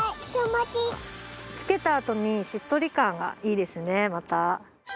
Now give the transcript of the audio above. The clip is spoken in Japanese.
つけたあとにしっとり感がいいですねまた。